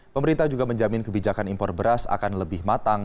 pemerintah juga menjamin kebijakan impor beras akan lebih matang